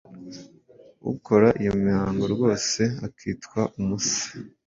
Ukora iyo mihango rwose akitwa umuse.